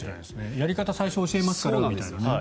やり方を最初教えますからみたいな。